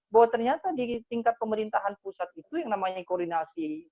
bahwa ternyata di tingkat pemerintahan pusat itu yang namanya koordinasi